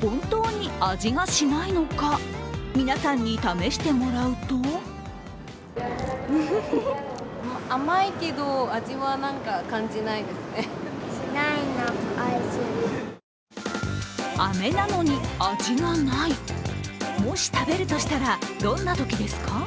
本当に味がしないのか皆さんに試してもらうと飴なのに、味がないもし食べるとしたらどんなときですか？